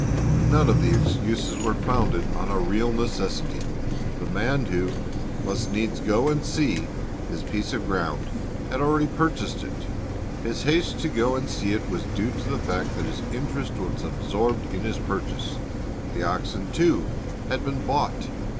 None of the excuses were founded on a real necessity. The man who "must needs go and see" his piece of ground, had already purchased it. His haste to go and see it was due to the fact that his interest was absorbed in his purchase. The oxen, too, had been bought.